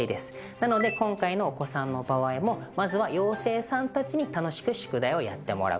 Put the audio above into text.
なので今回のお子さんの場合もまずは妖精さんたちに楽しく宿題をやってもらう。